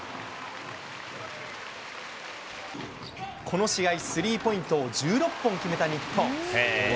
この試合、スリーポイントを１６本決めた日本。